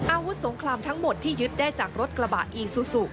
อาวุธสงครามทั้งหมดที่ยึดได้จากรถกระบะอีซูซู